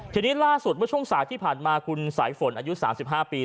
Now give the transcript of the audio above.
ทีนี้ล่าสุดเมื่อช่วงสายที่ผ่านมาคุณสายฝนอายุ๓๕ปี